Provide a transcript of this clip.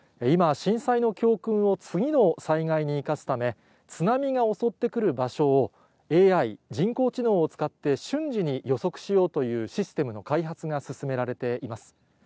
今、震災の教訓を次の災害に生かすため、津波が襲ってくる場所をＡＩ・人工知能を使って瞬時に予測しようというシステムの開発が進められています。